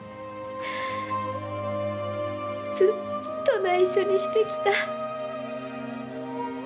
ずっと内緒にしてきた。